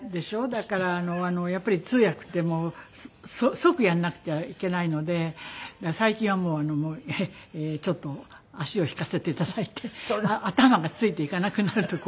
だからやっぱり通訳って即やらなくちゃいけないので最近はもうちょっと足を引かせて頂いて頭がついていかなくなると怖いから。